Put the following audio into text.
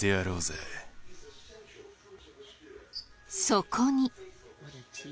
そこに。